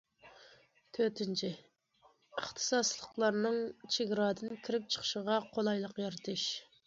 تۆتىنچى، ئىختىساسلىقلارنىڭ چېگرادىن كىرىپ- چىقىشىغا قولايلىق يارىتىش.